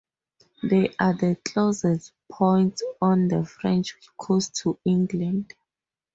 They are the closest points on the French coast to England.